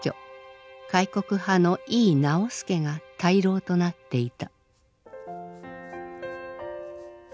開国派の井伊直弼が大老となっていた。